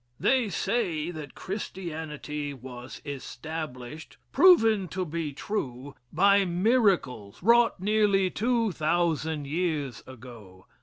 They say that Christianity was established, proven to be true, by miracles wrought nearly two thousand years ago.